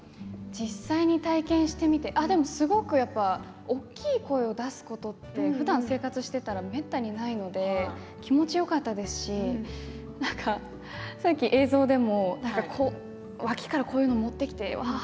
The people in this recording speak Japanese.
実際に体験してみてすごく大きな声を出すことってふだん生活していたらめったにないので気持ちよかったですしさっき映像でも脇からこういうのを持ってきてわはは！